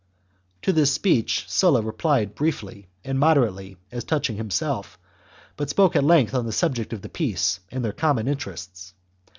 To this speech Sulla replied briefly and moderately chap. as touching himself, but spoke at length on the subject of the peace^ and their common interests.